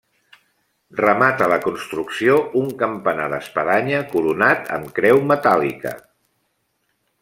Remata la construcció un campanar d'espadanya coronat amb creu metàl·lica.